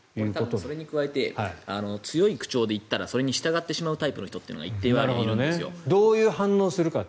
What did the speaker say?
それに加えて強い口調で言ったらそれに従ってしまうタイプの人がどういう反応をするか。